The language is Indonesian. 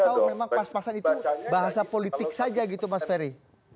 atau memang pas pasan itu bahasa politik saja gitu mas ferry